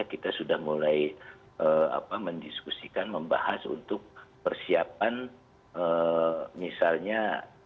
kita sudah mulai mendiskusikan membahas untuk persiapan misalnya